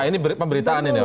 nah ini pemberitaan ini ya